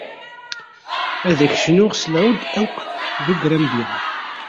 Ad ak-cnuɣ s lɛud akked ugrambi!